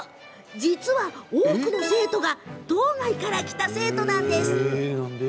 実は多くの生徒が島外から来た生徒なんです。